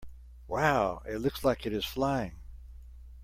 Wow! It looks like it is flying!